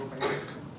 oke satu lagi